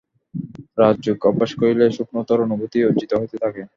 রাজযোগ অভ্যাস করিলে সূক্ষ্মতর অনুভূতি অর্জিত হইতে থাকে।